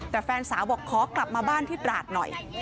แต่แฟนสาวบอกขอกลับมาบ้านที่ตราดหน่อย